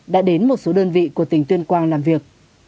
đã đến một số đơn vị của tỉnh tuyên quang làm việc